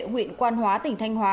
huyện quan hóa tỉnh thanh hóa